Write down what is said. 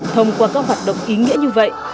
thông qua các hoạt động ý nghĩa như vậy